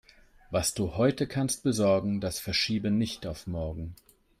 Was du heute kannst besorgen, das verschiebe nicht auf morgen.